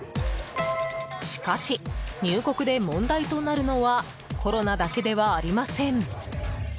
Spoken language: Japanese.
しかし、入国で問題となるのはコロナだけではありません。